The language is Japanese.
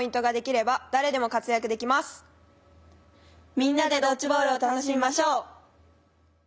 みんなでドッジボールを楽しみましょう！